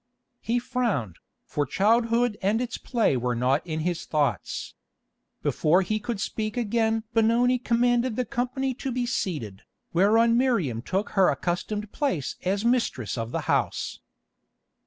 He frowned, for childhood and its play were not in his thoughts. Before he could speak again Benoni commanded the company to be seated, whereon Miriam took her accustomed place as mistress of the house.